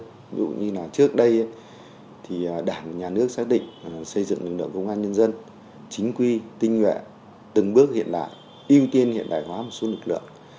ví dụ như là trước đây thì đảng nhà nước xác định xây dựng lực lượng công an nhân dân chính quy tinh nhuệ từng bước hiện đại ưu tiên hiện đại hóa một số lực lượng